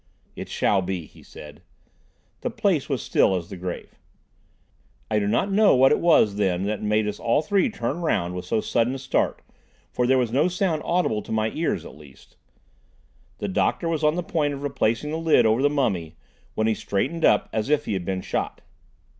"It shall be," he said. The place was still as the grave. I do not know what it was then that made us all three turn round with so sudden a start, for there was no sound audible to my ears, at least. The doctor was on the point of replacing the lid over the mummy, when he straightened up as if he had been shot.